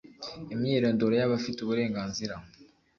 imyirondoro y abafite uburenganzira